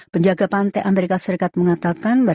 penjaga pantai amerika serikat mengatakan